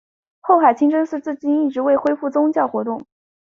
后海清真寺至今一直未恢复宗教活动。